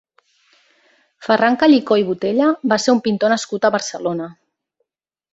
Ferran Callicó i Botella va ser un pintor nascut a Barcelona.